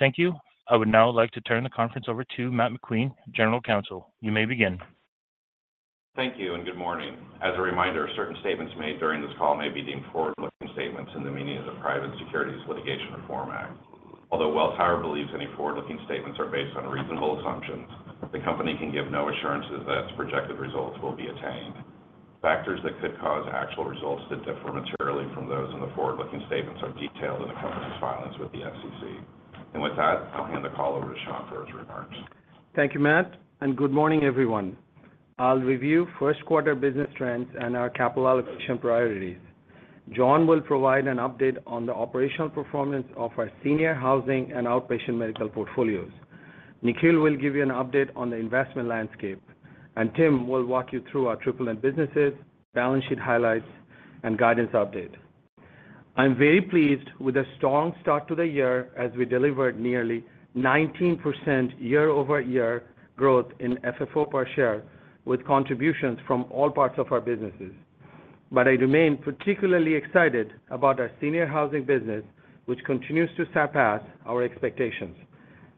Thank you. I would now like to turn the conference over to Matt McQueen, General Counsel. You may begin. Thank you and good morning. As a reminder, certain statements made during this call may be deemed forward-looking statements in the meaning of the Private Securities Litigation Reform Act. Although Welltower believes any forward-looking statements are based on reasonable assumptions, the company can give no assurances that its projected results will be attained. Factors that could cause actual results that differ materially from those in the forward-looking statements are detailed in the company's filings with the SEC. With that, I'll hand the call over to Shankh for his remarks. Thank you, Matt, and good morning, everyone. I'll review first-quarter business trends and our capital allocation priorities. John will provide an update on the operational performance of our senior housing and outpatient medical portfolios. Nikhil will give you an update on the investment landscape, and Tim will walk you through our triple-net businesses, balance sheet highlights, and guidance update. I'm very pleased with a strong start to the year as we delivered nearly 19% year-over-year growth in FFO per share with contributions from all parts of our businesses. But I remain particularly excited about our senior housing business, which continues to surpass our expectations.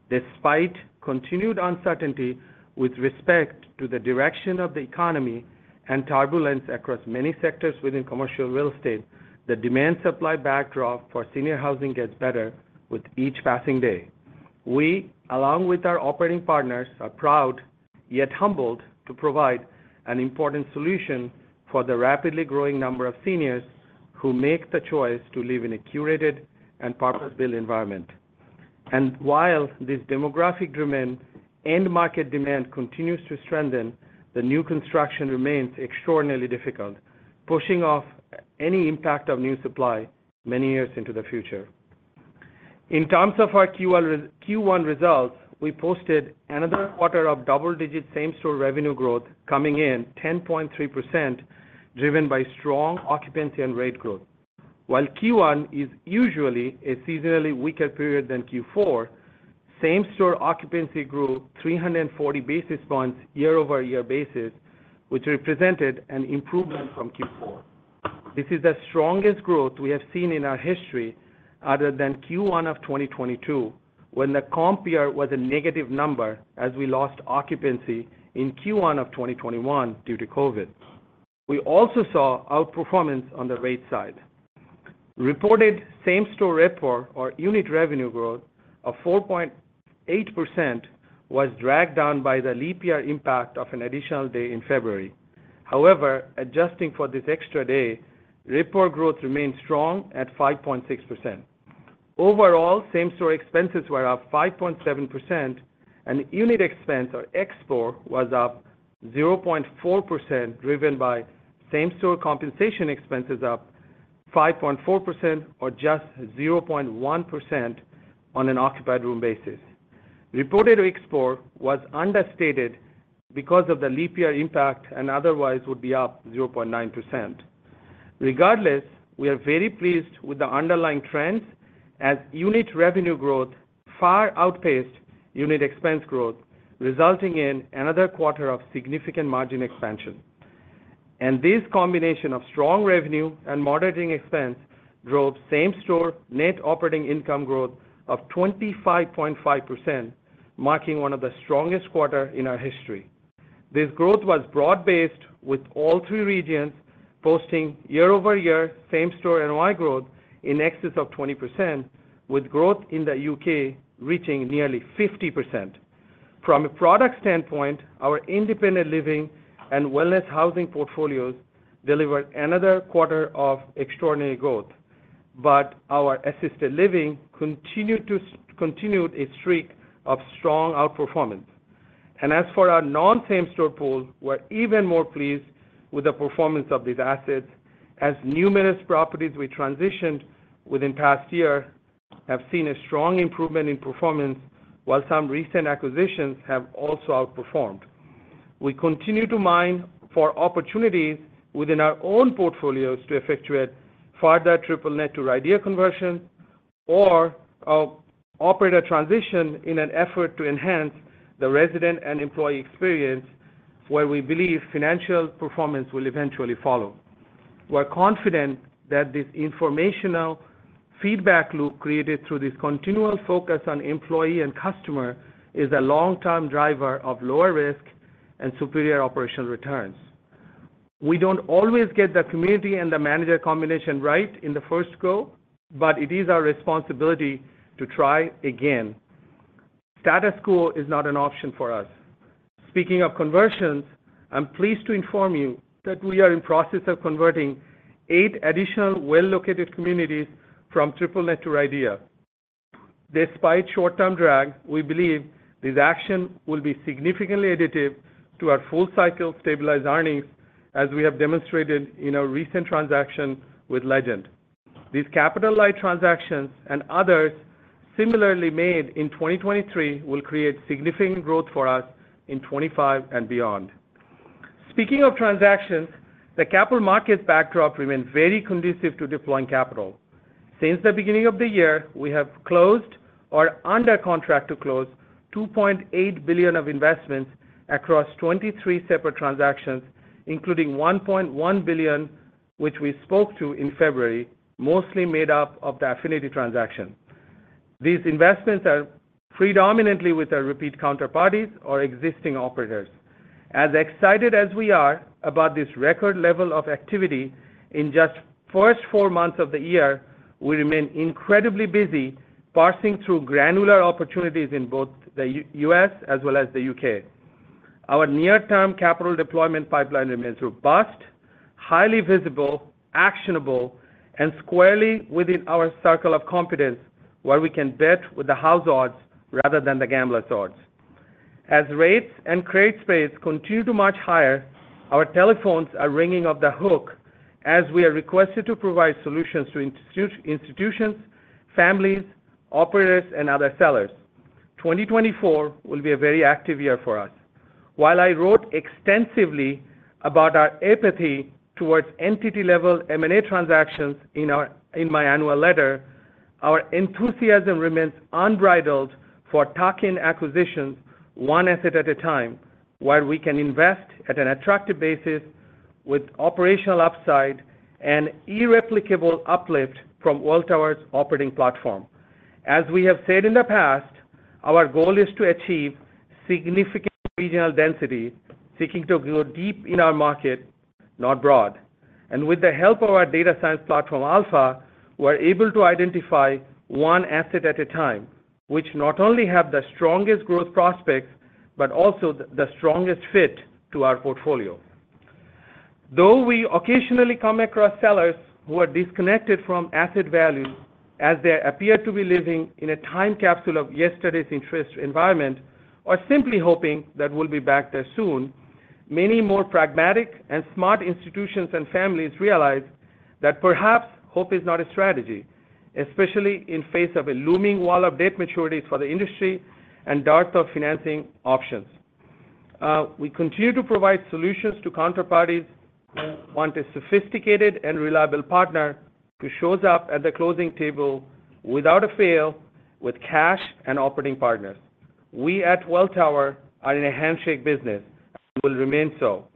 Despite continued uncertainty with respect to the direction of the economy and turbulence across many sectors within commercial real estate, the demand-supply backdrop for senior housing gets better with each passing day. We, along with our operating partners, are proud yet humbled to provide an important solution for the rapidly growing number of seniors who make the choice to live in a curated and purpose-built environment. And while this demographic demand and market demand continues to strengthen, the new construction remains extraordinarily difficult, pushing off any impact of new supply many years into the future. In terms of our Q1 results, we posted another quarter of double-digit Same-Store revenue growth coming in 10.3%, driven by strong occupancy and rate growth. While Q1 is usually a seasonally weaker period than Q4, Same-Store occupancy grew 340 basis points year-over-year basis, which represented an improvement from Q4. This is the strongest growth we have seen in our history other than Q1 of 2022, when the comp year was a negative number as we lost occupancy in Q1 of 2021 due to COVID. We also saw outperformance on the rate side. Reported same-store RevPOR unit revenue growth of 4.8% was dragged down by the leap year impact of an additional day in February. However, adjusting for this extra day, RevPOR growth remained strong at 5.6%. Overall, same-store expenses were up 5.7%, and unit expense or ExpOR was up 0.4%, driven by same-store compensation expenses up 5.4% or just 0.1% on an occupied room basis. Reported ExpOR was understated because of the leap year impact and otherwise would be up 0.9%. Regardless, we are very pleased with the underlying trends as unit revenue growth far outpaced unit expense growth, resulting in another quarter of significant margin expansion. And this combination of strong revenue and moderating expense drove same-store net operating income growth of 25.5%, marking one of the strongest quarters in our history. This growth was broad-based with all three regions posting year-over-year same-store NOI growth in excess of 20%, with growth in the UK reaching nearly 50%. From a product standpoint, our independent living and seniors housing portfolios delivered another quarter of extraordinary growth, but our assisted living continued its streak of strong outperformance. As for our non-same-store pool, we're even more pleased with the performance of these assets as numerous properties we transitioned within the past year have seen a strong improvement in performance, while some recent acquisitions have also outperformed. We continue to mine for opportunities within our own portfolios to effectuate further triple-net to RIDEA conversion or operator transition in an effort to enhance the resident and employee experience, where we believe financial performance will eventually follow. We're confident that this informational feedback loop created through this continual focus on employee and customer is a long-term driver of lower risk and superior operational returns. We don't always get the community and the manager combination right in the first go, but it is our responsibility to try again. Status quo is not an option for us. Speaking of conversions, I'm pleased to inform you that we are in the process of converting eight additional well-located communities from triple-net to RIDEA. Despite short-term drag, we believe this action will be significantly additive to our full-cycle stabilized earnings, as we have demonstrated in our recent transaction with Legend. These capital-light transactions and others similarly made in 2023 will create significant growth for us in 2025 and beyond. Speaking of transactions, the capital markets backdrop remains very conducive to deploying capital. Since the beginning of the year, we have closed or under contract to close $2.8 billion of investments across 23 separate transactions, including $1.1 billion, which we spoke to in February, mostly made up of the Affinity transaction. These investments are predominantly with our repeat counterparties or existing operators. As excited as we are about this record level of activity in just the first four months of the year, we remain incredibly busy parsing through granular opportunities in both the US as well as the UK Our near-term capital deployment pipeline remains robust, highly visible, actionable, and squarely within our circle of confidence where we can bet with the house odds rather than the gambler's odds. As rates and credit spreads continue to march higher, our telephones are ringing off the hook as we are requested to provide solutions to institutions, families, operators, and other sellers. 2024 will be a very active year for us. While I wrote extensively about our apathy towards entity-level M&A transactions in my annual letter, our enthusiasm remains unbridled for tuck-in acquisitions, one asset at a time, where we can invest at an attractive basis with operational upside and irreplicable uplift from Welltower's operating platform. As we have said in the past, our goal is to achieve significant regional density, seeking to grow deep in our market, not broad. And with the help of our data science platform, Alpha, we're able to identify one asset at a time, which not only has the strongest growth prospects but also the strongest fit to our portfolio. Though we occasionally come across sellers who are disconnected from asset value as they appear to be living in a time capsule of yesterday's interest environment or simply hoping that we'll be back there soon, many more pragmatic and smart institutions and families realize that perhaps hope is not a strategy, especially in the face of a looming wall of debt maturities for the industry and dearth of financing options. We continue to provide solutions to counterparties who want a sophisticated and reliable partner who shows up at the closing table without fail with cash and operating partners. We at Welltower are in a handshake business and will remain so.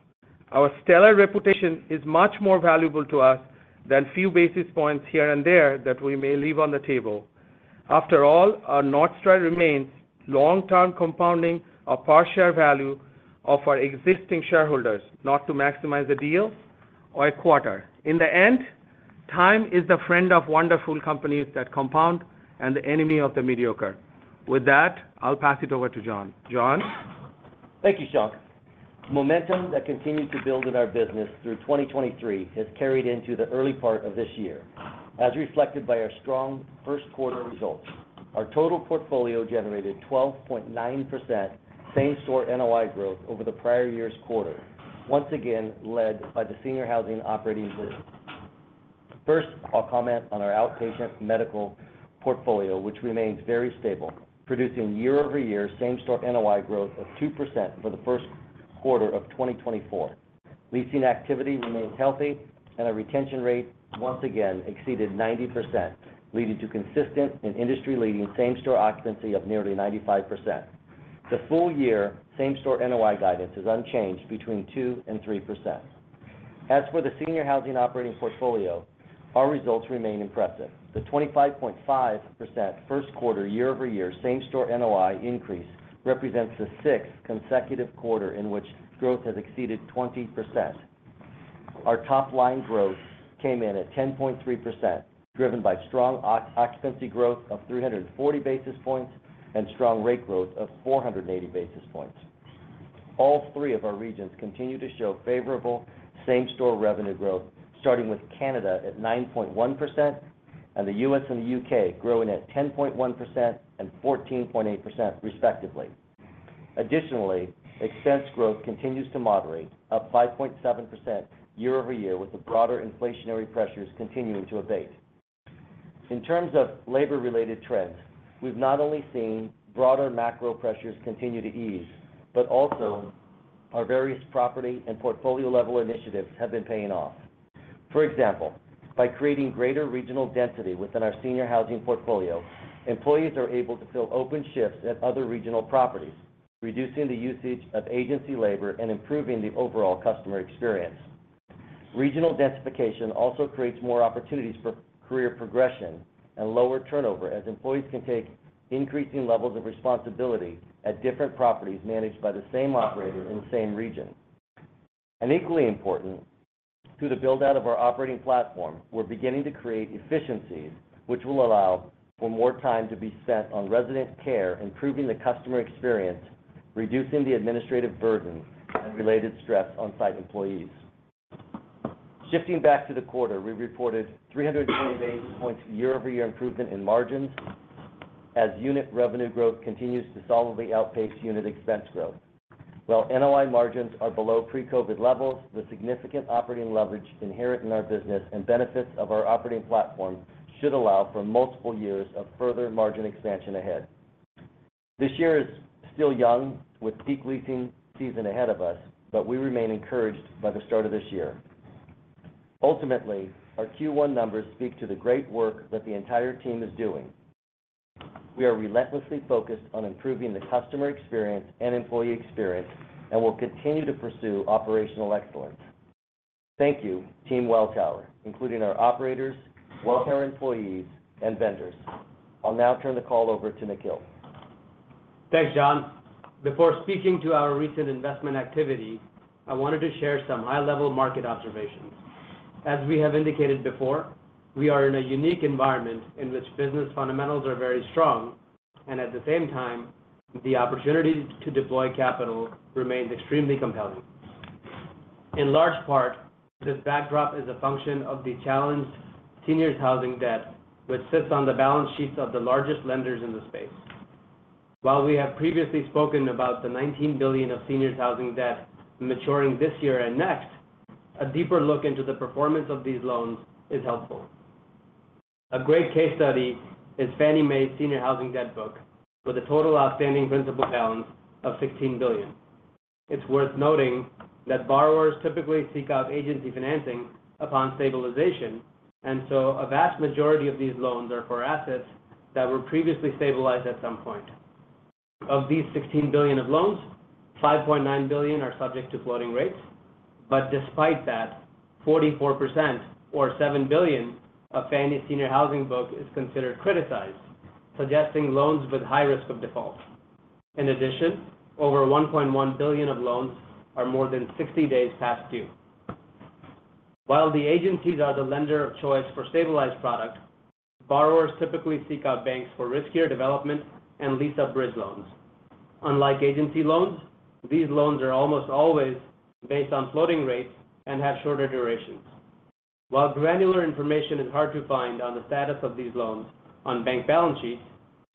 Our stellar reputation is much more valuable to us than a few basis points here and there that we may leave on the table. After all, our north star remains long-term compounding to the benefit of our existing shareholders, not to maximize the deal for a quarter. In the end, time is the friend of wonderful companies that compound and the enemy of the mediocre. With that, I'll pass it over to John. John? Thank you, Shankh. Momentum that continued to build in our business through 2023 has carried into the early part of this year, as reflected by our strong first-quarter results. Our total portfolio generated 12.9% same-store NOI growth over the prior year's quarter, once again led by the senior housing operating business. First, I'll comment on our outpatient medical portfolio, which remains very stable, producing year-over-year same-store NOI growth of 2% for the Q1 of 2024. Leasing activity remains healthy, and our retention rate once again exceeded 90%, leading to consistent and industry-leading same-store occupancy of nearly 95%. The full-year same-store NOI guidance is unchanged between 2% to 3%. As for the senior housing operating portfolio, our results remain impressive. The 25.5% first-quarter year-over-year same-store NOI increase represents the sixth consecutive quarter in which growth has exceeded 20%. Our top-line growth came in at 10.3%, driven by strong occupancy growth of 340 basis points and strong rate growth of 480 basis points. All three of our regions continue to show favorable same-store revenue growth, starting with Canada at 9.1% and the US and the UK growing at 10.1% and 14.8%, respectively. Additionally, expense growth continues to moderate, up 5.7% year-over-year, with the broader inflationary pressures continuing to abate. In terms of labor-related trends, we've not only seen broader macro pressures continue to ease but also our various property and portfolio-level initiatives have been paying off. For example, by creating greater regional density within our senior housing portfolio, employees are able to fill open shifts at other regional properties, reducing the usage of agency labor and improving the overall customer experience. Regional densification also creates more opportunities for career progression and lower turnover as employees can take increasing levels of responsibility at different properties managed by the same operator in the same region. And equally important, through the build-out of our operating platform, we're beginning to create efficiencies which will allow for more time to be spent on resident care, improving the customer experience, reducing the administrative burden, and related stress on-site employees. Shifting back to the quarter, we reported 320 basis points year-over-year improvement in margins as unit revenue growth continues to solidly outpace unit expense growth. While NOI margins are below pre-COVID levels, the significant operating leverage inherent in our business and benefits of our operating platform should allow for multiple years of further margin expansion ahead. This year is still young, with peak leasing season ahead of us, but we remain encouraged by the start of this year. Ultimately, our Q1 numbers speak to the great work that the entire team is doing. We are relentlessly focused on improving the customer experience and employee experience and will continue to pursue operational excellence. Thank you, Team Welltower, including our operators, Welltower employees, and vendors. I'll now turn the call over to Nikhil. Thanks, John. Before speaking to our recent investment activity, I wanted to share some high-level market observations. As we have indicated before, we are in a unique environment in which business fundamentals are very strong, and at the same time, the opportunity to deploy capital remains extremely compelling. In large part, this backdrop is a function of the challenged seniors' housing debt, which sits on the balance sheets of the largest lenders in the space. While we have previously spoken about the $19 billion of seniors' housing debt maturing this year and next, a deeper look into the performance of these loans is helpful. A great case study is Fannie Mae's senior housing debt book, with a total outstanding principal balance of $16 billion. It's worth noting that borrowers typically seek out agency financing upon stabilization, and so a vast majority of these loans are for assets that were previously stabilized at some point. Of these $16 billion of loans, $5.9 billion are subject to floating rates, but despite that, 44% or $7 billion of Fannie's senior housing book is considered criticized, suggesting loans with high risk of default. In addition, over $1.1 billion of loans are more than 60 days past due. While the agencies are the lender of choice for stabilized product, borrowers typically seek out banks for riskier development and lease-up bridge loans. Unlike agency loans, these loans are almost always based on floating rates and have shorter durations. While granular information is hard to find on the status of these loans on bank balance sheets,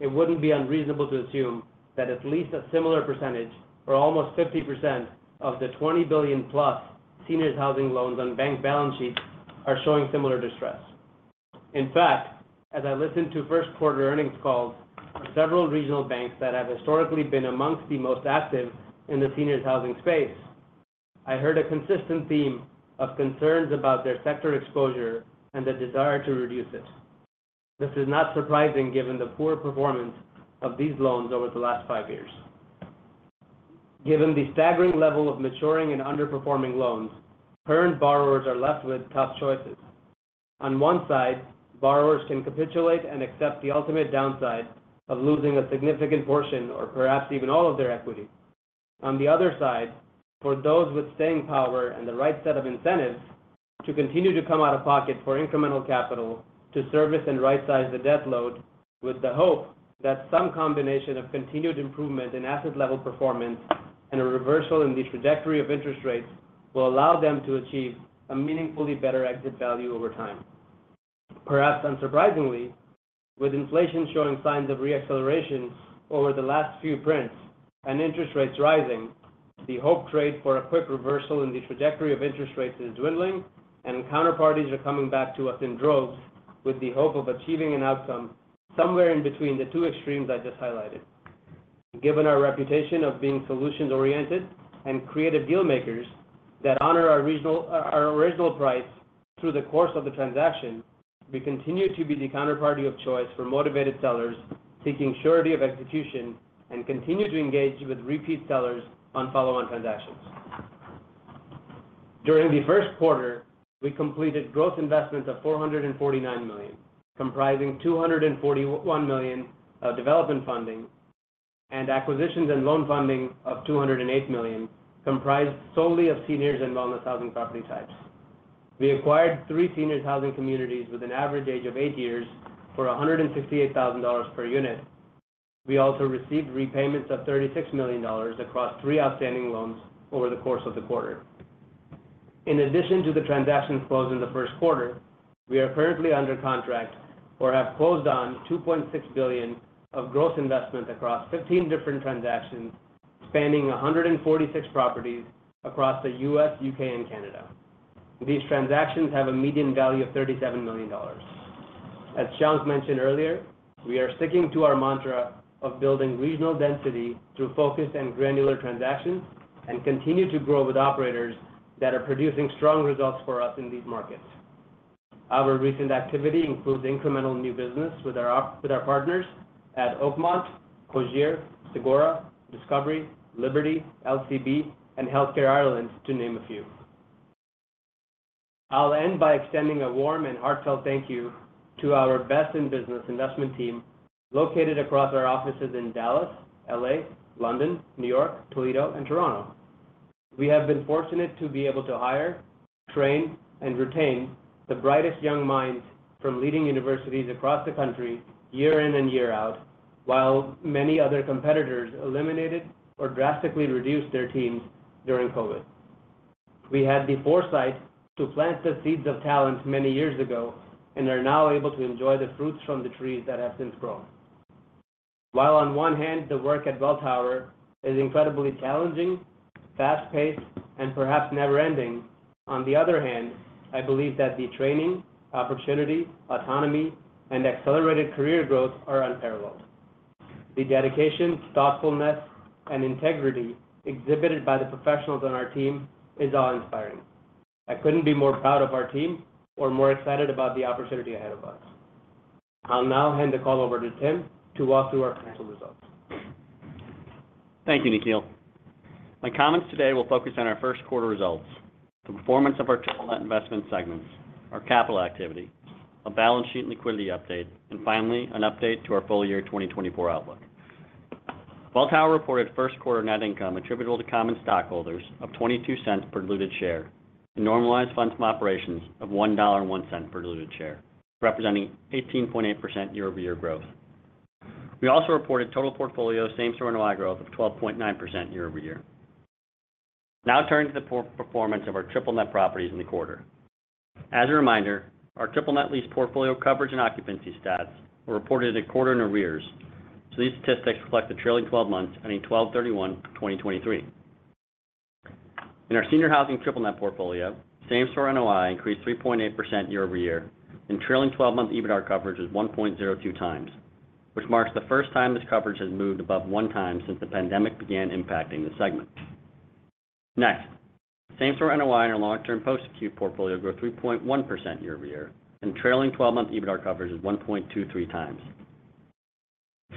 it wouldn't be unreasonable to assume that at least a similar percentage, or almost 50%, of the $20 billion-plus seniors' housing loans on bank balance sheets are showing similar distress. In fact, as I listened to first-quarter earnings calls for several regional banks that have historically been amongst the most active in the seniors' housing space, I heard a consistent theme of concerns about their sector exposure and the desire to reduce it. This is not surprising given the poor performance of these loans over the last five years. Given the staggering level of maturing and underperforming loans, current borrowers are left with tough choices. On one side, borrowers can capitulate and accept the ultimate downside of losing a significant portion or perhaps even all of their equity. On the other side, for those with staying power and the right set of incentives, to continue to come out of pocket for incremental capital to service and right-size the debt load with the hope that some combination of continued improvement in asset-level performance and a reversal in the trajectory of interest rates will allow them to achieve a meaningfully better exit value over time. Perhaps unsurprisingly, with inflation showing signs of reacceleration over the last few prints and interest rates rising, the hope traded for a quick reversal in the trajectory of interest rates is dwindling, and counterparties are coming back to us in droves with the hope of achieving an outcome somewhere in between the two extremes I just highlighted. Given our reputation of being solutions-oriented and creative dealmakers that honor our original price through the course of the transaction, we continue to be the counterparty of choice for motivated sellers seeking surety of execution and continue to engage with repeat sellers on follow-on transactions. During the Q1, we completed growth investments of $449 million, comprising $241 million of development funding, and acquisitions and loan funding of $208 million, comprised solely of seniors and wellness housing property types. We acquired three seniors' housing communities with an average age of eight years for $168,000 per unit. We also received repayments of $36 million across three outstanding loans over the course of the quarter. In addition to the transactions closed in the Q1, we are currently under contract or have closed on $2.6 billion of gross investment across 15 different transactions spanning 146 properties across the US, UK, and Canada. These transactions have a median value of $37 million. As Shankh mentioned earlier, we are sticking to our mantra of building regional density through focused and granular transactions and continue to grow with operators that are producing strong results for us in these markets. Our recent activity includes incremental new business with our partners at Oakmont, Cogir, Sagora, Discovery, Liberty, LCB, and Healthcare Ireland, to name a few. I'll end by extending a warm and heartfelt thank you to our best-in-business investment team located across our offices in Dallas, LA, London, New York, Toledo, and Toronto. We have been fortunate to be able to hire, train, and retain the brightest young minds from leading universities across the country year in and year out, while many other competitors eliminated or drastically reduced their teams during COVID. We had the foresight to plant the seeds of talent many years ago and are now able to enjoy the fruits from the trees that have since grown. While on one hand, the work at Welltower is incredibly challenging, fast-paced, and perhaps never-ending, on the other hand, I believe that the training, opportunity, autonomy, and accelerated career growth are unparalleled. The dedication, thoughtfulness, and integrity exhibited by the professionals on our team is awe-inspiring. I couldn't be more proud of our team or more excited about the opportunity ahead of us. I'll now hand the call over to Tim to walk through our financial results. Thank you, Nikhil. My comments today will focus on our first-quarter results, the performance of our triple-net investment segments, our capital activity, a balance sheet and liquidity update, and finally, an update to our full-year 2024 outlook. Welltower reported first-quarter net income attributable to common stockholders of $0.22 per diluted share and normalized funds from operations of $1.01 per diluted share, representing 18.8% year-over-year growth. We also reported total portfolio same-store NOI growth of 12.9% year-over-year. Now, turning to the performance of our triple-net properties in the quarter. As a reminder, our triple-net lease portfolio coverage and occupancy stats were reported a quarter in arrears, so these statistics reflect the trailing 12 months ending 31 December, 2023. In our senior housing triple-net portfolio, same-store NOI increased 3.8% year-over-year, and trailing 12-month EBITDA coverage was 1.02 times, which marks the first time this coverage has moved above one time since the pandemic began impacting the segment. Next, same-store NOI in our long-term post-acute portfolio grew 3.1% year-over-year, and trailing 12-month EBITDA coverage was 1.23x.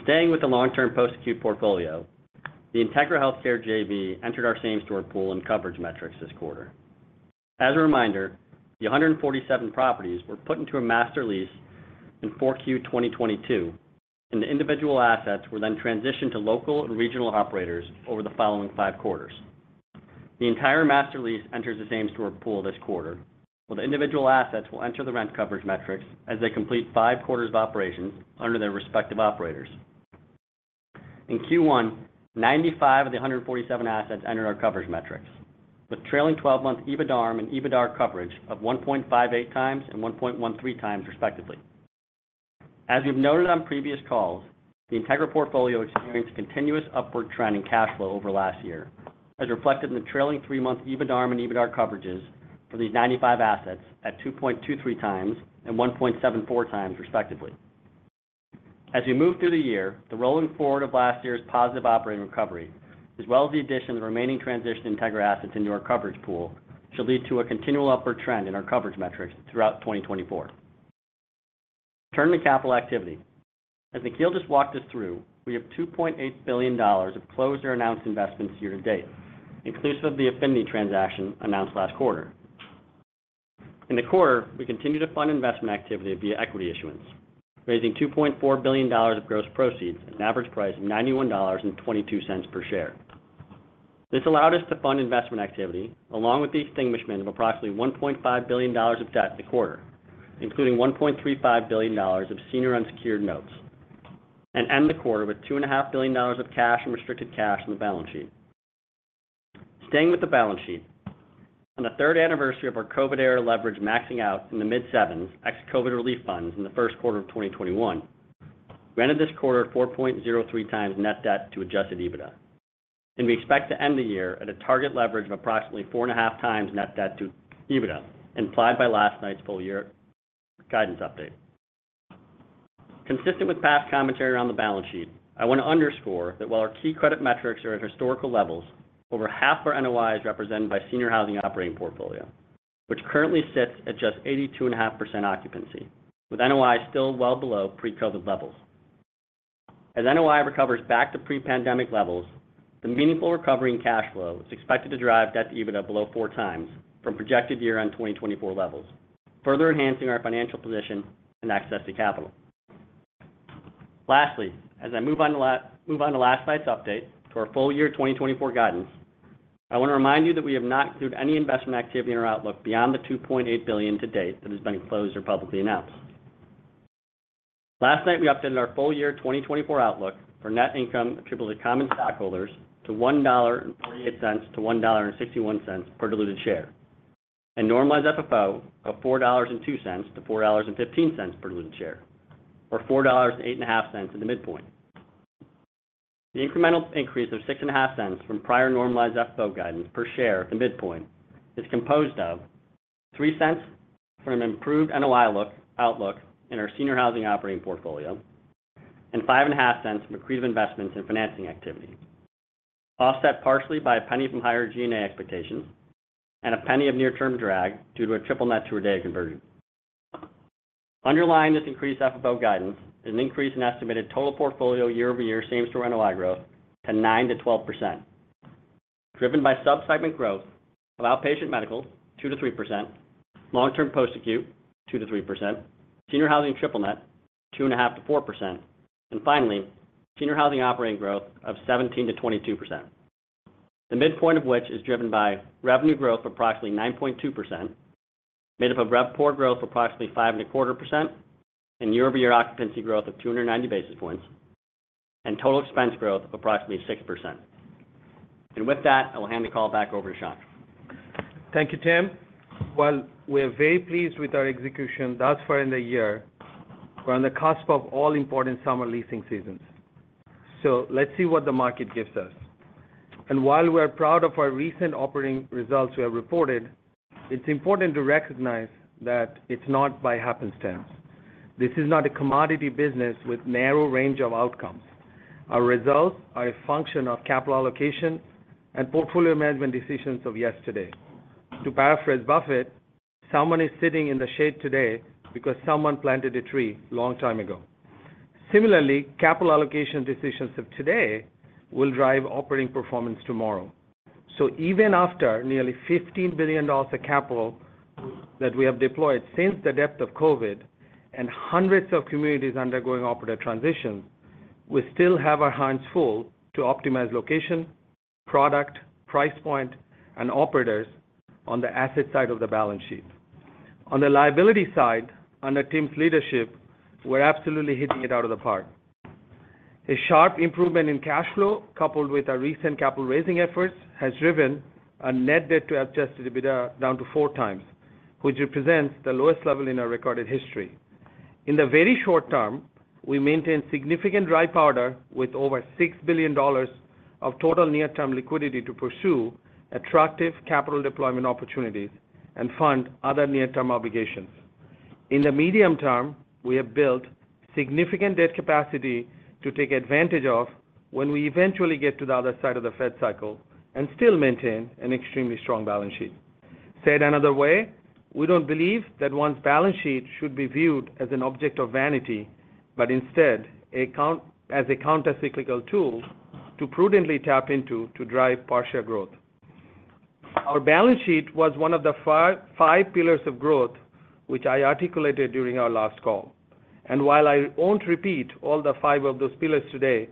Staying with the long-term post-acute portfolio, the Integra Healthcare GAV entered our same-store pool in coverage metrics this quarter. As a reminder, the 147 properties were put into a master lease in 4Q2022, and the individual assets were then transitioned to local and regional operators over the following five quarters. The entire master lease enters the same-store pool this quarter, while the individual assets will enter the rent coverage metrics as they complete five quarters of operations under their respective operators. In Q1, 95 of the 147 assets entered our coverage metrics, with trailing 12-month EBITDARM and EBITDA coverage of 1.58x and 1.13x, respectively. As we've noted on previous calls, the Integra portfolio experienced continuous upward trend in cash flow over last year, as reflected in the trailing three-month EBITDARM and EBITDA coverages for these 95 assets at 2.23x and 1.74x, respectively. As we move through the year, the rolling forward of last year's positive operating recovery, as well as the addition of the remaining transitioned Integra assets into our coverage pool, should lead to a continual upward trend in our coverage metrics throughout 2024. Turning to capital activity. As Nikhil just walked us through, we have $2.8 billion of closed or announced investments year to date, inclusive of the Affinity transaction announced last quarter. In the quarter, we continued to fund investment activity via equity issuance, raising $2.4 billion of gross proceeds at an average price of $91.22 per share. This allowed us to fund investment activity along with the extinguishment of approximately $1.5 billion of debt the quarter, including $1.35 billion of senior unsecured notes, and end the quarter with $2.5 billion of cash and restricted cash on the balance sheet. Staying with the balance sheet, on the third anniversary of our COVID-era leverage maxing out in the mid-sevens ex-COVID relief funds in the Q1 of 2021, we ended this quarter at 4.03x net debt to adjusted EBITDA, and we expect to end the year at a target leverage of approximately 4.5x net debt to EBITDA implied by last night's full-year guidance update. Consistent with past commentary around the balance sheet, I want to underscore that while our key credit metrics are at historical levels, over half of our NOI is represented by senior housing operating portfolio, which currently sits at just 82.5% occupancy, with NOI still well below pre-COVID levels. As NOI recovers back to pre-pandemic levels, the meaningful recovery in cash flow is expected to drive debt to EBITDA below 4x from projected year-end 2024 levels, further enhancing our financial position and access to capital. Lastly, as I move on to last night's update to our full-year 2024 guidance, I want to remind you that we have not included any investment activity in our outlook beyond the $2.8 billion to date that has been enclosed or publicly announced. Last night, we updated our full-year 2024 outlook for net income attributed to common stockholders to $1.48 to 1.61 per diluted share and normalized FFO of $4.02 to 4.15 per diluted share, or $4.08 in the midpoint. The incremental increase of $0.06 from prior normalized FFO guidance per share at the midpoint is composed of $0.03 from an improved NOI outlook in our senior housing operating portfolio and $0.05 from accretive investments in financing activity, offset partially by a penny from higher G&A expectations and a penny of near-term drag due to a triple-net to RIDEA conversion. Underlying this increased FFO guidance is an increase in estimated total portfolio year-over-year same-store NOI growth to 9% to 12%, driven by subsegment growth of outpatient medical 2% to 3%, long-term post-acute 2% to 3%, senior housing triple-net 2.5% to 4%, and finally, senior housing operating growth of 17% to 22%, the midpoint of which is driven by revenue growth of approximately 9.2% made up of RevPOR growth of approximately 5.25% and year-over-year occupancy growth of 290 basis points and total expense growth of approximately 6%. With that, I will hand the call back over to Shankh. Thank you, Tim. Well, we are very pleased with our execution thus far in the year. We're on the cusp of all-important summer leasing seasons, so let's see what the market gives us. And while we are proud of our recent operating results we have reported, it's important to recognize that it's not by happenstance. This is not a commodity business with a narrow range of outcomes. Our results are a function of capital allocation and portfolio management decisions of yesterday. To paraphrase Buffett, "someone is sitting in the shade today because someone planted a tree a long time ago." Similarly, capital allocation decisions of today will drive operating performance tomorrow. So even after nearly $15 billion of capital that we have deployed since the depth of COVID and hundreds of communities undergoing operator transitions, we still have our hands full to optimize location, product, price point, and operators on the asset side of the balance sheet. On the liability side, under Tim's leadership, we're absolutely hitting it out of the park. A sharp improvement in cash flow coupled with our recent capital raising efforts has driven our net debt to adjusted EBITDA down to 4x, which represents the lowest level in our recorded history. In the very short term, we maintain significant dry powder with over $6 billion of total near-term liquidity to pursue attractive capital deployment opportunities and fund other near-term obligations. In the medium term, we have built significant debt capacity to take advantage of when we eventually get to the other side of the Fed cycle and still maintain an extremely strong balance sheet. Said another way, we don't believe that one's balance sheet should be viewed as an object of vanity but instead as a countercyclical tool to prudently tap into to drive partial growth. Our balance sheet was one of the five pillars of growth which I articulated during our last call. While I won't repeat all the five of those pillars today,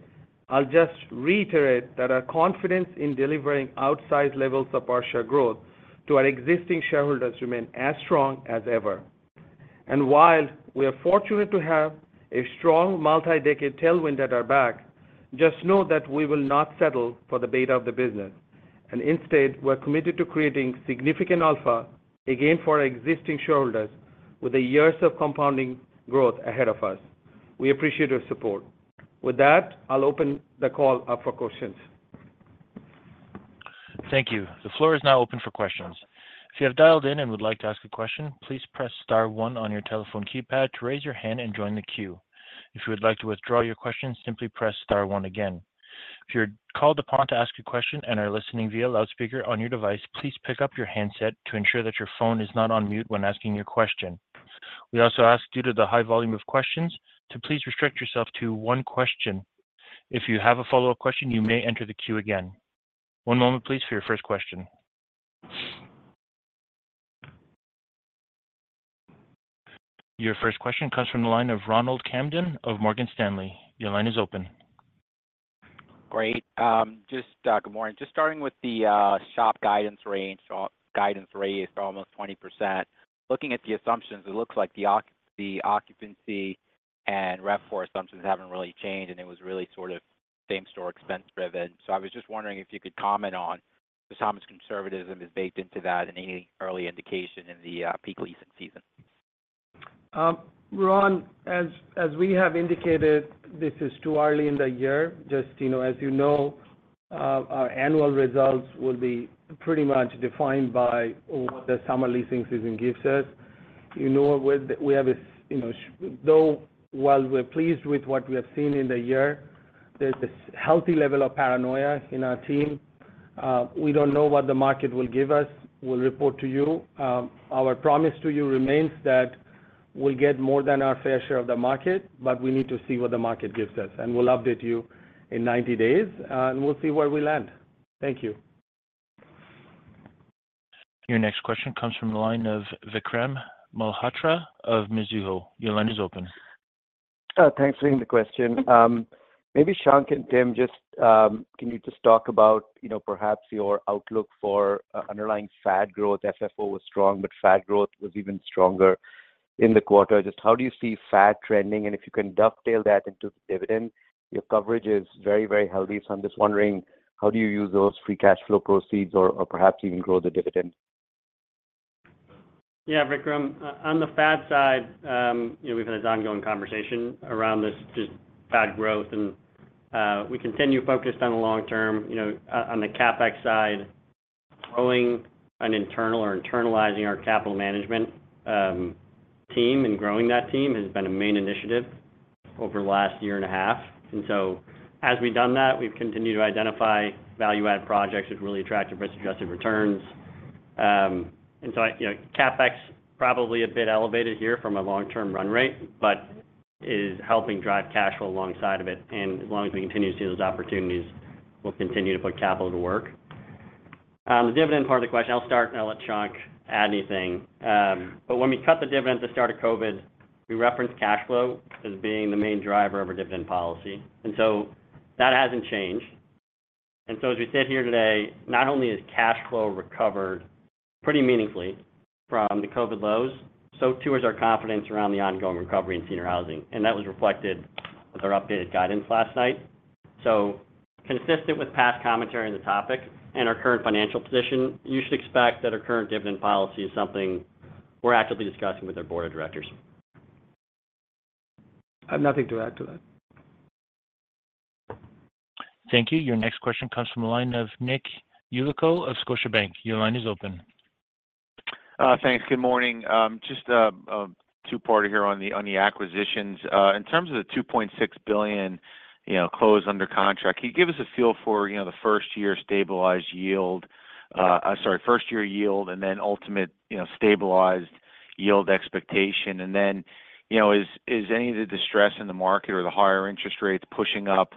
I'll just reiterate that our confidence in delivering outsized levels of partial growth to our existing shareholders remains as strong as ever. While we are fortunate to have a strong multi-decade tailwind at our back, just know that we will not settle for the beta of the business. Instead, we're committed to creating significant alpha again for our existing shareholders with the years of compounding growth ahead of us. We appreciate your support. With that, I'll open the call up for questions. Thank you. The floor is now open for questions. If you have dialed in and would like to ask a question, please press star one on your telephone keypad to raise your hand and join the queue. If you would like to withdraw your question, simply press star one again. If you're called upon to ask a question and are listening via loudspeaker on your device, please pick up your handset to ensure that your phone is not on mute when asking your question. We also ask, due to the high volume of questions, to please restrict yourself to one question. If you have a follow-up question, you may enter the queue again. One moment, please, for your first question. Your first question comes from the line of Ronald Camden of Morgan Stanley. Your line is open. Great. Good morning. Just starting with the SHO guidance rate is almost 20%. Looking at the assumptions, it looks like the occupancy and RevPOR assumptions haven't really changed, and it was really sort of same-store expense-driven. So I was just wondering if you could comment on just how much conservatism is baked into that and any early indication in the peak leasing season. Ron, as we have indicated, this is too early in the year. Just as you know, our annual results will be pretty much defined by what the summer leasing season gives us. We have though while we're pleased with what we have seen in the year, there's a healthy level of paranoia in our team. We don't know what the market will give us. We'll report to you. Our promise to you remains that we'll get more than our fair share of the market, but we need to see what the market gives us. And we'll update you in 90 days, and we'll see where we land. Thank you. Your next question comes from the line of Vikram Malhotra of Mizuho. Your line is open. Thanks for the question. Maybe Shankh and Tim, can you just talk about perhaps your outlook for underlying FAD growth? FFO was strong, but FAD growth was even stronger in the quarter. Just how do you see FAD trending? And if you can dovetail that into the dividend, your coverage is very, very healthy. So I'm just wondering, how do you use those free cash flow proceeds or perhaps even grow the dividend? Yeah, Vikram. On the FAD side, we've had this ongoing conversation around this just FAD growth. And we continue focused on the long term. On the CapEx side, growing and internalizing our capital management team and growing that team has been a main initiative over the last year and a half. And so as we've done that, we've continued to identify value-add projects that really attracted risk-adjusted returns. And so CapEx is probably a bit elevated here from a long-term run rate, but it is helping drive cash flow alongside of it. And as long as we continue to see those opportunities, we'll continue to put capital to work. The dividend part of the question, I'll start, and I'll let Shankh add anything. But when we cut the dividend at the start of COVID, we referenced cash flow as being the main driver of our dividend policy. That hasn't changed. As we sit here today, not only has cash flow recovered pretty meaningfully from the COVID lows, so too has our confidence around the ongoing recovery in senior housing. That was reflected with our updated guidance last night. Consistent with past commentary on the topic and our current financial position, you should expect that our current dividend policy is something we're actively discussing with our board of directors. I have nothing to add to that. Thank you. Your next question comes from the line of Nick Yulico of Scotiabank. Your line is open. Thanks. Good morning. Just a two-parter here on the acquisitions. In terms of the $2.6 billion closed under contract, can you give us a feel for the first-year stabilized yield sorry, first-year yield and then ultimate stabilized yield expectation? And then is any of the distress in the market or the higher interest rates pushing up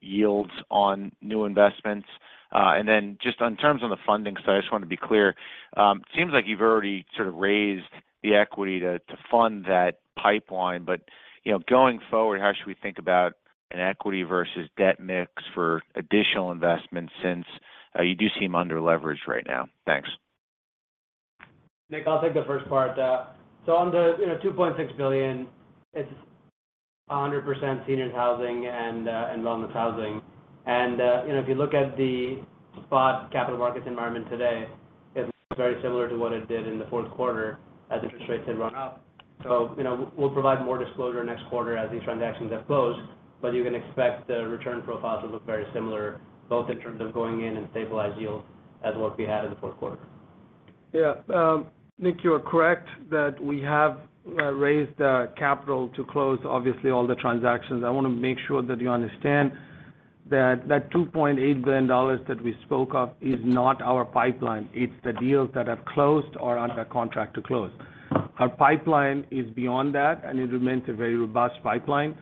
yields on new investments? And then just in terms of the funding side, I just want to be clear. It seems like you've already sort of raised the equity to fund that pipeline. But going forward, how should we think about an equity versus debt mix for additional investments since you do seem underleveraged right now? Thanks. Nick, I'll take the first part. So on the $2.6 billion, it's 100% senior housing and wellness housing. And if you look at the spot capital markets environment today, it looks very similar to what it did in the Q4 as interest rates had run up. So we'll provide more disclosure next quarter as these transactions have closed, but you can expect the return profiles to look very similar both in terms of going in and stabilized yields as what we had in the Q4. Yeah. Nick, you are correct that we have raised capital to close, obviously, all the transactions. I want to make sure that you understand that that $2.8 billion that we spoke of is not our pipeline. It's the deals that have closed or are under contract to close. Our pipeline is beyond that, and it remains a very robust pipeline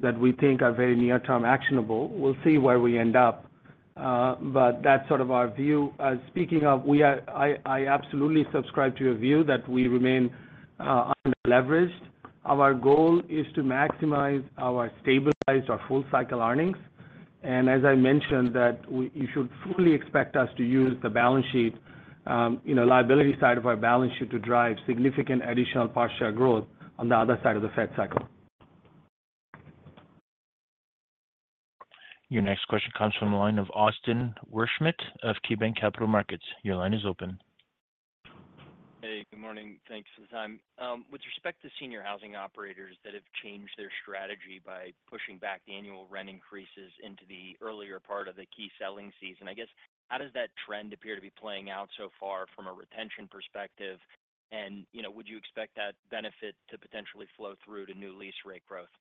that we think are very near-term actionable. We'll see where we end up, but that's sort of our view. Speaking of, I absolutely subscribe to your view that we remain underleveraged. Our goal is to maximize our stabilized or full-cycle earnings. And as I mentioned, that you should fully expect us to use the balance sheet liability side of our balance sheet to drive significant additional partial growth on the other side of the Fed cycle. Your next question comes from the line of Austin Wurschmidt of KeyBanc Capital Markets. Your line is open. Hey. Good morning. Thanks for the time. With respect to senior housing operators that have changed their strategy by pushing back the annual rent increases into the earlier part of the key selling season, I guess, how does that trend appear to be playing out so far from a retention perspective? And would you expect that benefit to potentially flow through to new lease rate growth?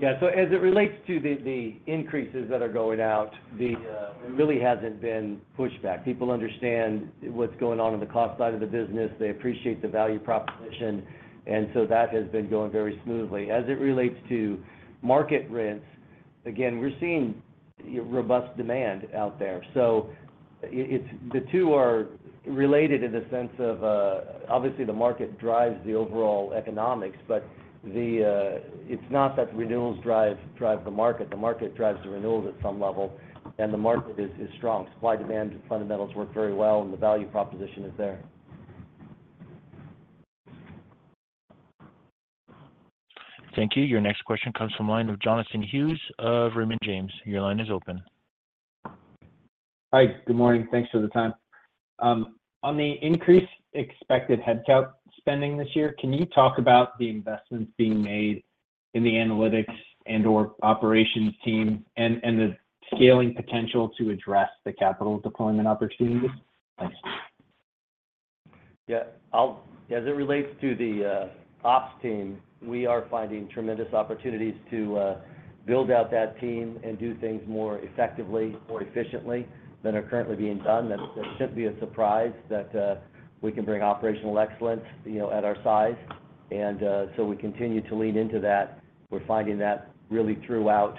Yeah. So as it relates to the increases that are going out, there really hasn't been pushback. People understand what's going on on the cost side of the business. They appreciate the value proposition, and so that has been going very smoothly. As it relates to market rents, again, we're seeing robust demand out there. So the two are related in the sense of obviously, the market drives the overall economics, but it's not that renewals drive the market. The market drives the renewals at some level, and the market is strong. Supply-demand fundamentals work very well, and the value proposition is there. Thank you. Your next question comes from the line of Jonathan Hughes of Raymond James. Your line is open. Hi. Good morning. Thanks for the time. On the increased expected headcount spending this year, can you talk about the investments being made in the analytics and/or operations team and the scaling potential to address the capital deployment opportunities? Thanks. Yeah. As it relates to the ops team, we are finding tremendous opportunities to build out that team and do things more effectively, more efficiently than are currently being done. That shouldn't be a surprise that we can bring operational excellence at our size. And so we continue to lean into that. We're finding that really throughout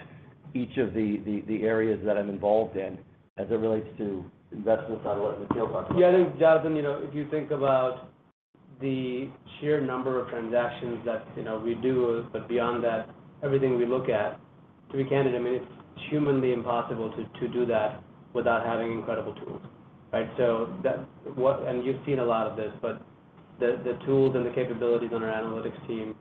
each of the areas that I'm involved in as it relates to investments. I'm letting the fields talk about. Yeah. I think, Jonathan, if you think about the sheer number of transactions that we do, but beyond that, everything we look at, to be candid, I mean, it's humanly impossible to do that without having incredible tools, right? And you've seen a lot of this, but the tools and the capabilities on our analytics team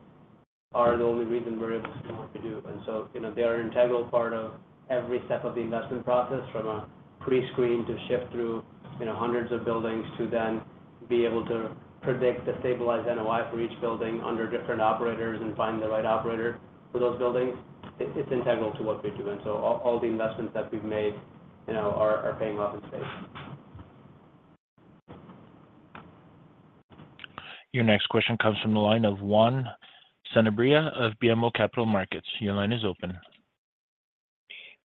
are the only reason we're able to do what we do. And so they are an integral part of every step of the investment process from a prescreen to sift through hundreds of buildings to then be able to predict the stabilized NOI for each building under different operators and find the right operator for those buildings. It's integral to what we're doing. So all the investments that we've made are paying off in spades. Your next question comes from the line of Juan Sanabria of BMO Capital Markets. Your line is open.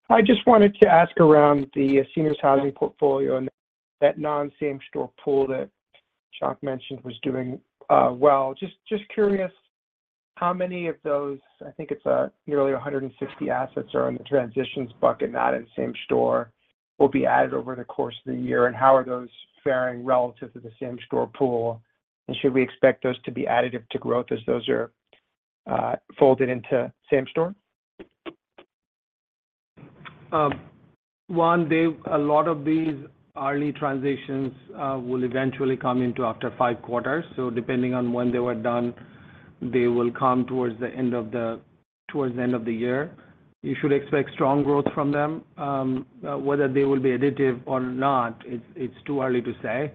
I just wanted to ask around the seniors' housing portfolio and that non-same-store pool that Shankh mentioned was doing well. Just curious, how many of those I think it's nearly 160 assets are on the transitions bucket, not in same-store, will be added over the course of the year? And how are those faring relative to the same-store pool? And should we expect those to be additive to growth as those are folded into same-store? Ron, a lot of these early transitions will eventually come into after five quarters. So depending on when they were done, they will come towards the end of the year. You should expect strong growth from them. Whether they will be additive or not, it's too early to say.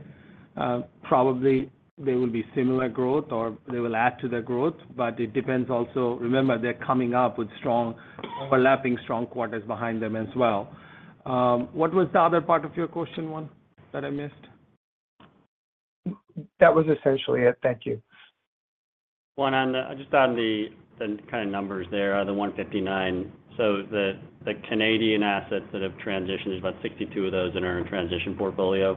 Probably, there will be similar growth, or they will add to the growth, but it depends also. Remember, they're coming up with overlapping strong quarters behind them as well. What was the other part of your question, Juan, that I missed? That was essentially it. Thank you. Juan, just on the kind of numbers there, the 159. So the Canadian assets that have transitioned, there's about 62 of those that are in our transition portfolio.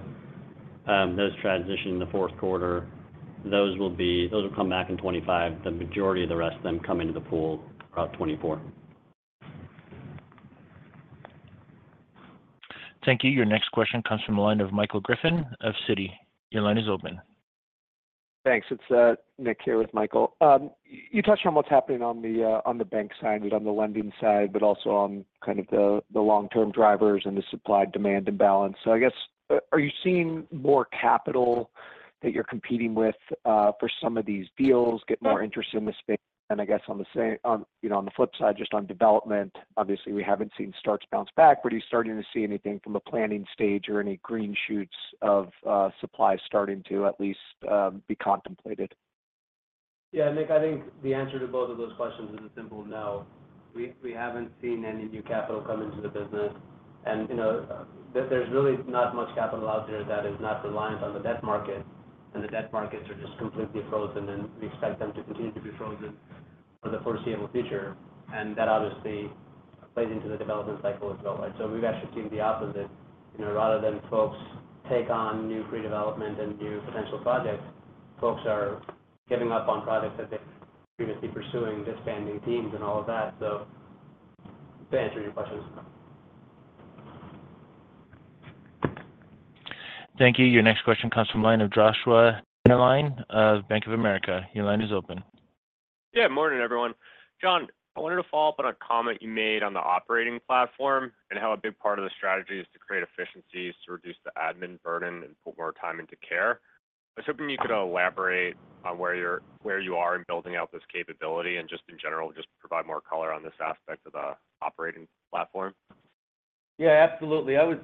Those transitioned in the Q4. Those will come back in 2025. The majority of the rest of them come into the pool around 2024. Thank you. Your next question comes from the line of Michael Griffin of Citi. Your line is open. Thanks. It's Nick here with Michael. You touched on what's happening on the bank side, on the lending side, but also on kind of the long-term drivers and the supply-demand imbalance. So I guess, are you seeing more capital that you're competing with for some of these deals, get more interest in the space than, I guess, on the flip side, just on development? Obviously, we haven't seen starts bounce back, but are you starting to see anything from a planning stage or any green shoots of supply starting to at least be contemplated? Yeah. Nick, I think the answer to both of those questions is a simple no. We haven't seen any new capital come into the business. And there's really not much capital out there that is not reliant on the debt market. And the debt markets are just completely frozen, and we expect them to continue to be frozen for the foreseeable future. And that obviously plays into the development cycle as well, right? So we've actually seen the opposite. Rather than folks take on new pre-development and new potential projects, folks are giving up on projects that they've previously pursuing, disbanding teams, and all of that. So good answer to your questions. Thank you. Your next question comes from the line of Joshua Dennerlein of Bank of America. Your line is open. Yeah. Good morning, everyone. John, I wanted to follow up on a comment you made on the operating platform and how a big part of the strategy is to create efficiencies to reduce the admin burden and put more time into care. I was hoping you could elaborate on where you are in building out this capability and just, in general, just provide more color on this aspect of the operating platform. Yeah. Absolutely. I was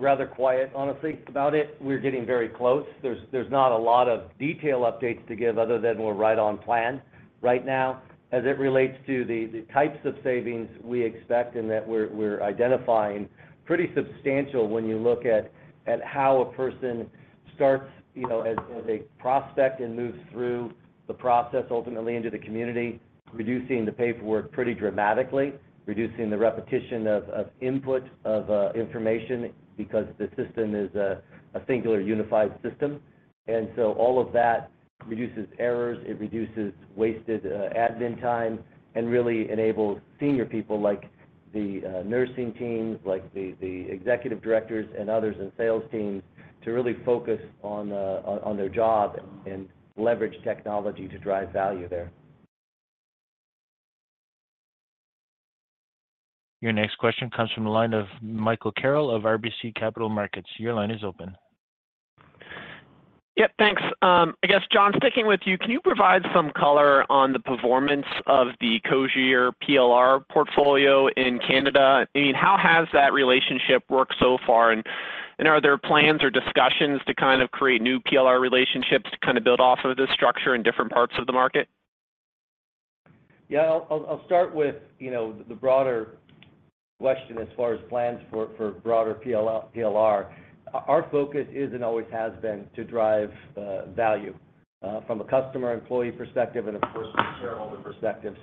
rather quiet, honestly, about it. We're getting very close. There's not a lot of detail updates to give other than we're right on plan right now. As it relates to the types of savings we expect and that we're identifying, pretty substantial when you look at how a person starts as a prospect and moves through the process ultimately into the community, reducing the paperwork pretty dramatically, reducing the repetition of input of information because the system is a singular, unified system. And so all of that reduces errors. It reduces wasted admin time and really enables senior people like the nursing teams, like the executive directors, and others in sales teams to really focus on their job and leverage technology to drive value there. Your next question comes from the line of Michael Carroll of RBC Capital Markets. Your line is open. Yep. Thanks. I guess, John, sticking with you, can you provide some color on the performance of the Cogir PLR portfolio in Canada? I mean, how has that relationship worked so far? And are there plans or discussions to kind of create new PLR relationships to kind of build off of this structure in different parts of the market? Yeah. I'll start with the broader question as far as plans for broader PLR. Our focus is and always has been to drive value from a customer-employee perspective and, of course, from a shareholder perspective.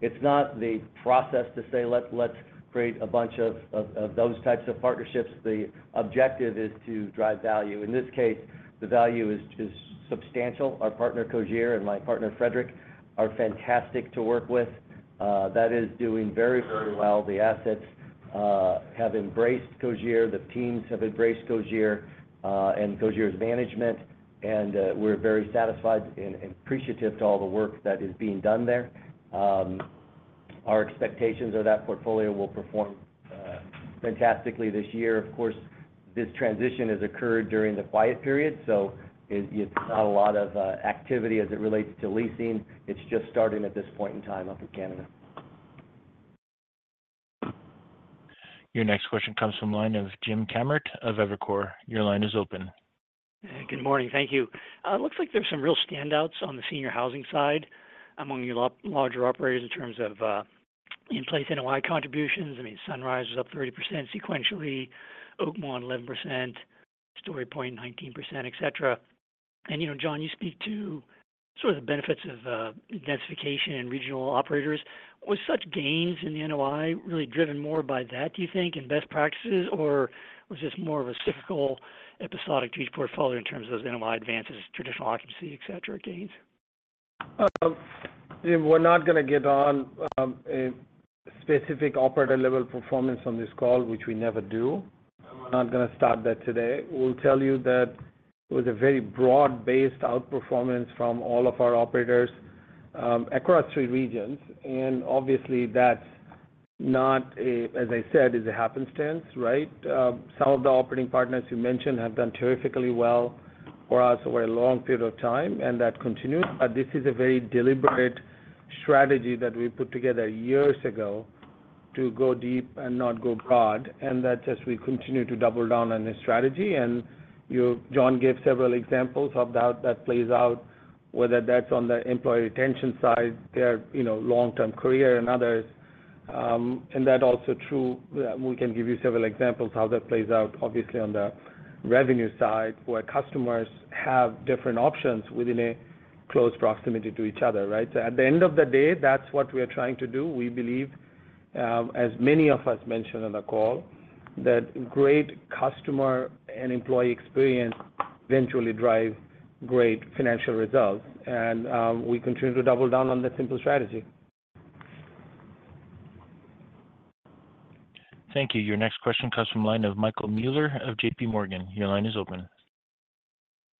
It's not the process to say, "Let's create a bunch of those types of partnerships." The objective is to drive value. In this case, the value is substantial. Our partner, Cogir, and my partner, Frederick, are fantastic to work with. That is doing very, very well. The assets have embraced Cogir. The teams have embraced Cogir and Cogir's management. We're very satisfied and appreciative to all the work that is being done there. Our expectations are that portfolio will perform fantastically this year. Of course, this transition has occurred during the quiet period, so it's not a lot of activity as it relates to leasing. It's just starting at this point in time up in Canada. Your next question comes from the line of Jim Kammert of Evercore. Your line is open. Good morning. Thank you. It looks like there's some real standouts on the senior housing side among your larger operators in terms of in-place NOI contributions. I mean, Sunrise was up 30% sequentially, Oakmont 11%, StoryPoint 19%, etc. And John, you speak to sort of the benefits of densification and regional operators. Was such gains in the NOI really driven more by that, do you think, and best practices, or was this more of a cyclical, episodic change portfolio in terms of those NOI advances, traditional occupancy, etc., gains? I mean, we're not going to get on a specific operator-level performance on this call, which we never do. We're not going to start that today. We'll tell you that it was a very broad-based outperformance from all of our operators across three regions. And obviously, that's not, as I said, a happenstance, right? Some of the operating partners you mentioned have done terrifically well for us over a long period of time, and that continues. But this is a very deliberate strategy that we put together years ago to go deep and not go broad, and that just we continue to double down on this strategy. And John gave several examples of how that plays out, whether that's on the employee retention side, their long-term career, and others. That's also true. We can give you several examples how that plays out, obviously, on the revenue side where customers have different options within a close proximity to each other, right? So at the end of the day, that's what we are trying to do. We believe, as many of us mentioned on the call, that great customer and employee experience eventually drive great financial results. We continue to double down on that simple strategy. Thank you. Your next question comes from the line of Michael Mueller of JPMorgan. Your line is open.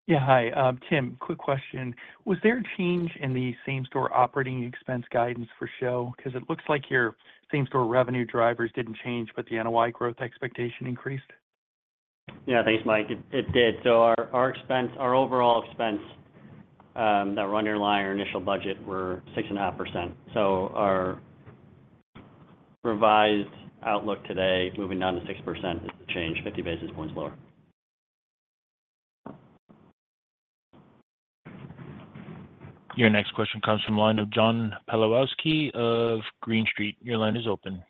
Yeah. Hi, Tim. Quick question. Was there a change in the same-store operating expense guidance for SHO? Because it looks like your same-store revenue drivers didn't change, but the NOI growth expectation increased. Yeah. Thanks, Mike. It did. So our overall expense that were underlying our initial budget were 6.5%. So our revised outlook today, moving down to 6%, is the change, 50 basis points lower. Your next question comes from the line of John Pawlowski of Green Street. Your line is open.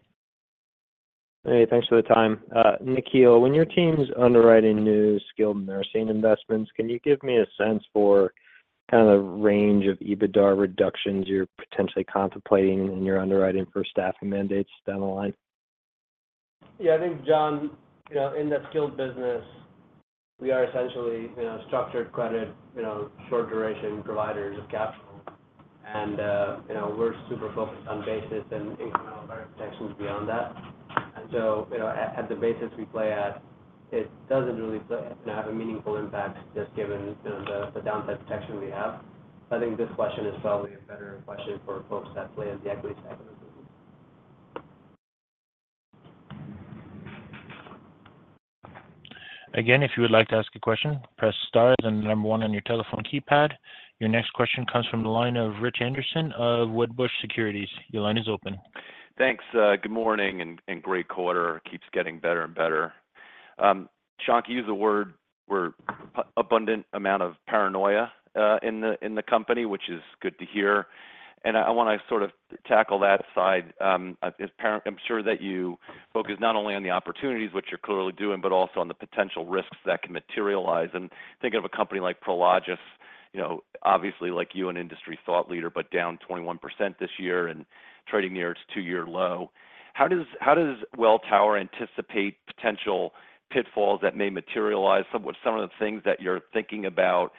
Hey. Thanks for the time. Nikhil, when your team's underwriting new skilled nursing investments, can you give me a sense for kind of the range of EBITDA reductions you're potentially contemplating and you're underwriting for staffing mandates down the line? Yeah. I think, John, in the skilled business, we are essentially structured credit, short-duration providers of capital. We're super focused on basis and incremental credit protections beyond that. So at the basis we play at, it doesn't really have a meaningful impact just given the downside protection we have. So I think this question is probably a better question for folks that play in the equity sector. Again, if you would like to ask a question, press star as in the number one on your telephone keypad. Your next question comes from the line of Rich Anderson of Wedbush Securities. Your line is open. Thanks. Good morning and great quarter. Keeps getting better and better. Shankh, you used the word abundant amount of paranoia in the company, which is good to hear. And I want to sort of tackle that side. I'm sure that you focus not only on the opportunities, which you're clearly doing, but also on the potential risks that can materialize. And thinking of a company like Prologis, obviously, like you, an industry thought leader, but down 21% this year and trading near its two-year low. How does Welltower anticipate potential pitfalls that may materialize? What's some of the things that you're thinking about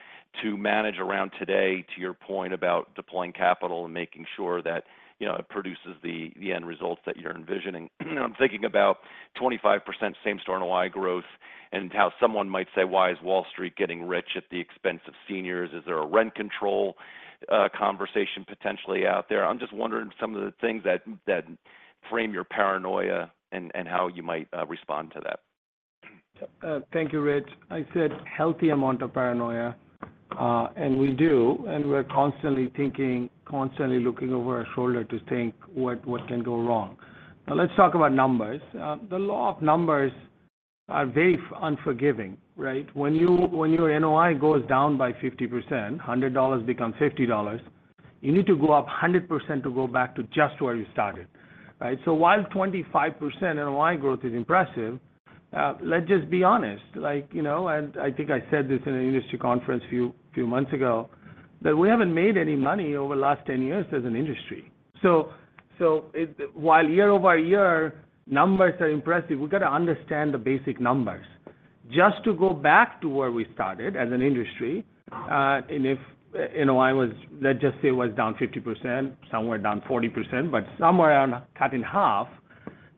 to manage around today, to your point about deploying capital and making sure that it produces the end results that you're envisioning? I'm thinking about 25% Same-Store NOI growth and how someone might say, "Why is Wall Street getting rich at the expense of seniors? Is there a rent control conversation potentially out there?" I'm just wondering some of the things that frame your paranoia and how you might respond to that. Thank you, Rich. I said healthy amount of paranoia. And we do. And we're constantly thinking, constantly looking over our shoulder to think what can go wrong. Now, let's talk about numbers. The law of numbers are very unforgiving, right? When your NOI goes down by 50%, $100 becomes $50, you need to go up 100% to go back to just where you started, right? So while 25% NOI growth is impressive, let's just be honest. And I think I said this in an industry conference a few months ago, that we haven't made any money over the last 10 years as an industry. So while year-over-year, numbers are impressive, we got to understand the basic numbers. Just to go back to where we started as an industry and if NOI was, let's just say, it was down 50%, somewhere down 40%, but somewhere around cut in half,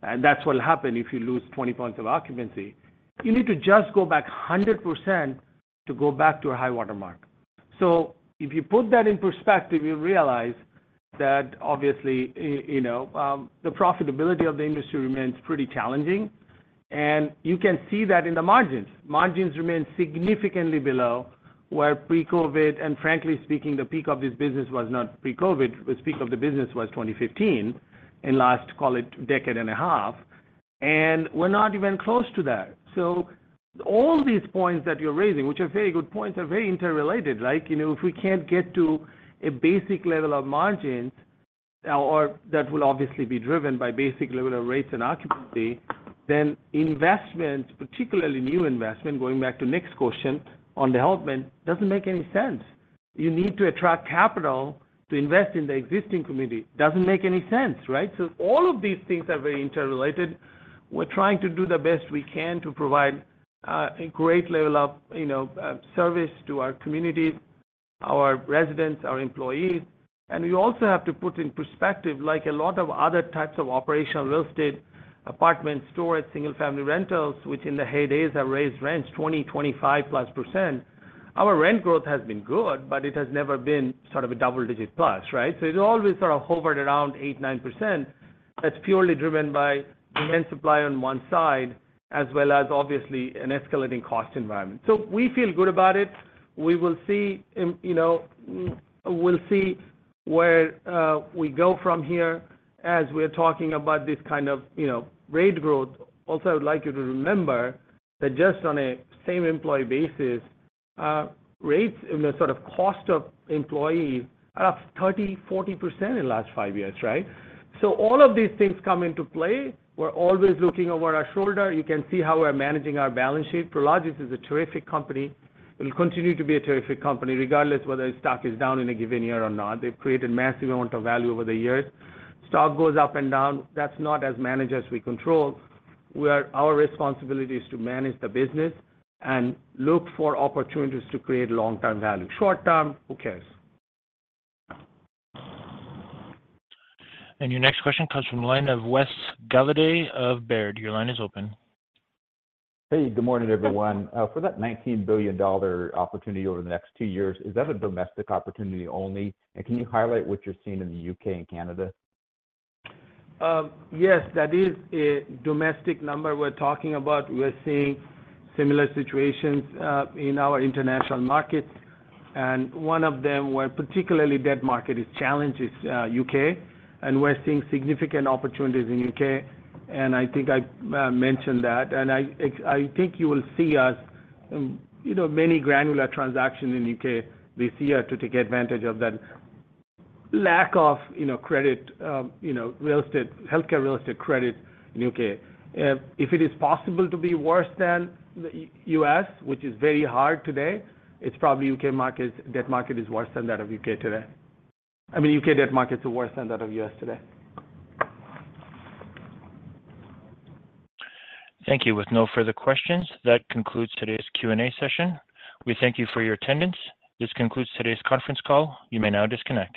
and that's what'll happen if you lose 20 points of occupancy, you need to just go back 100% to go back to a high watermark. So if you put that in perspective, you'll realize that, obviously, the profitability of the industry remains pretty challenging. You can see that in the margins. Margins remain significantly below where pre-COVID and, frankly speaking, the peak of this business was not pre-COVID. The peak of the business was 2015 in last, call it, decade and a half. We're not even close to that. So all these points that you're raising, which are very good points, are very interrelated. If we can't get to a basic level of margins that will obviously be driven by basic level of rates and occupancy, then investments, particularly new investment, going back to Nick's question on development, doesn't make any sense. You need to attract capital to invest in the existing community. Doesn't make any sense, right? So all of these things are very interrelated. We're trying to do the best we can to provide a great level of service to our community, our residents, our employees. And we also have to put in perspective, like a lot of other types of operational real estate, apartments, storage, single-family rentals, which in the heydays have raised rents 20%, 25+%, our rent growth has been good, but it has never been sort of a double-digit +, right? So it's always sort of hovered around 8%-9%. That's purely driven by demand supply on one side as well as, obviously, an escalating cost environment. So we feel good about it. We will see where we go from here as we're talking about this kind of rate growth. Also, I would like you to remember that just on a same-employee basis, rates, sort of cost of employees, are up 30%-40% in the last 5 years, right? So all of these things come into play. We're always looking over our shoulder. You can see how we're managing our balance sheet. Prologis is a terrific company. It'll continue to be a terrific company regardless whether stock is down in a given year or not. They've created massive amount of value over the years. Stock goes up and down. That's not as managed as we control. Our responsibility is to manage the business and look for opportunities to create long-term value. Short-term, who cares? Your next question comes from the line of Wes Golladay of Baird. Your line is open. Hey. Good morning, everyone. For that $19 billion opportunity over the next two years, is that a domestic opportunity only? And can you highlight what you're seeing in the UK and Canada? Yes. That is a domestic number we're talking about. We're seeing similar situations in our international markets. One of them where particularly debt market is challenged is UK We're seeing significant opportunities in UK I think I mentioned that. I think you will see us many granular transactions in UK this year to take advantage of that lack of credit, healthcare real estate credit in UK If it is possible to be worse than the US, which is very hard today, it's probably UK debt market is worse than that of UK today. I mean, UK debt markets are worse than that of US today. Thank you. With no further questions, that concludes today's Q&A session. We thank you for your attendance. This concludes today's conference call. You may now disconnect.